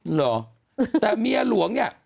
เหรอแต่เมียหลวงเนี่ย